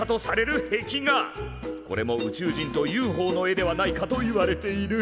これも宇宙人とＵＦＯの絵ではないかといわれている。